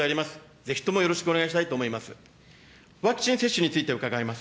ぜひともよろしくお願いしたいと思います。